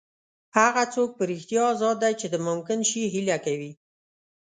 هغه څوک په رښتیا ازاد دی چې د ممکن شي هیله کوي.